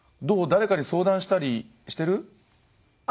誰かに相談したりしてる？